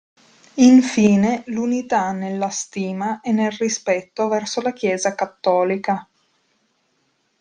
Infine, l'unità nella stima e nel rispetto verso la chiesa cattolica.